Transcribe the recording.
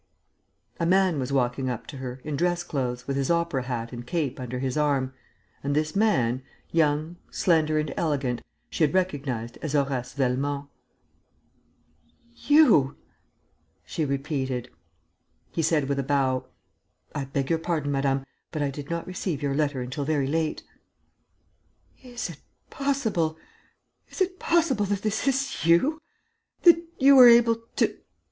A man was walking up to her, in dress clothes, with his opera hat and cape under his arm, and this man, young, slender and elegant, she had recognized as Horace Velmont. "You!" she repeated. He said, with a bow: "I beg your pardon, madame, but I did not receive your letter until very late." "Is it possible? Is it possible that this is you ... that you were able to